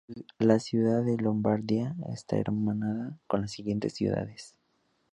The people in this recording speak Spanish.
La ciudad de Lombardía está hermanada con las siguientes ciudades